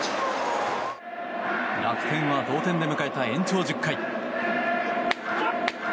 楽天は同点で迎えた延長１０回。